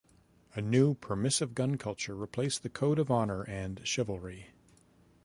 A new permissive gun culture replaced the code of honor and chivalry.